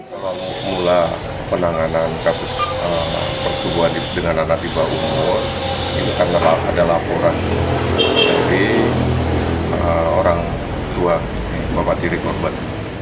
kalau mula penanganan kasus persetubuhan dengan anak di bawah umur ini tanggal ada laporan dari orang tua bapak tiri korban